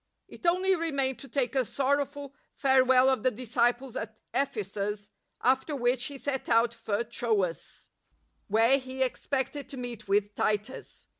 It only remained to take a sorrowful farewell of the disciples at Ephesus^ after which he set out for Troas, where he expected to meet with Titus.